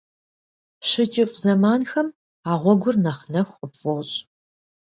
ЩыкӀыфӀ зэманхэм а гъуэгур нэхъ нэху къыпфӀощӏ.